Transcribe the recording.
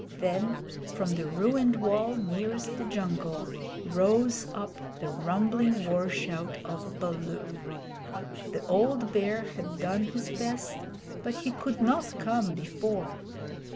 Then from the ruined wall nearest the jungle rose up the rumbling war shout of Baloo. The old Bear had done his best, but he could not come before.